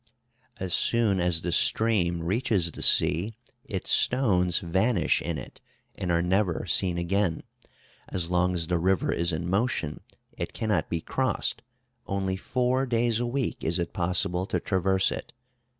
As soon as the stream reaches the sea, its stones vanish in it, and are never seen again. As long as the river is in motion, it cannot be crossed; only four days a week is it possible to traverse it.